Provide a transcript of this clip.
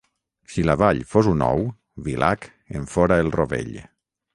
Si la Vall fos un ou, Vilac en fora el rovell.